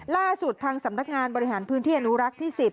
ล่าสุดทางสำนักงานบริหารพื้นที่อนุรักษ์ที่๑๐